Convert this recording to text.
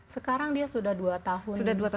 sekarang dia sudah dua tahun